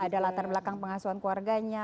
ada latar belakang pengasuhan keluarganya